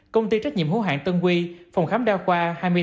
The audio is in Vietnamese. công ty trách nhiệm hữu hạn tân huy phòng khám đa khoa hai mươi tám bảy